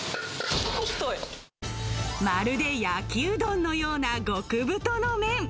まるで焼きうどんのような極太の麺。